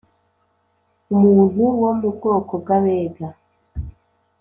Umuntu wo mu bwoko bw’abega.